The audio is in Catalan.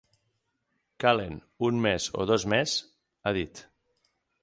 “Calen un mes o dos més”, ha dit.